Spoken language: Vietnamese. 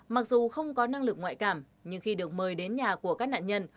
mặc dù không có năng lực ngoại cảm nhưng khi được mời đến nhà của các nạn nhân